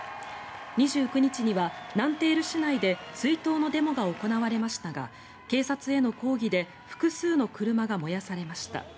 ２９日にはナンテール市内で追悼のデモが行われましたが警察への抗議で複数の車が燃やされました。